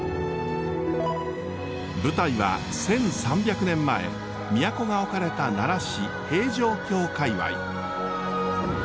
舞台は１，３００年前都が置かれた奈良市平城京界わい。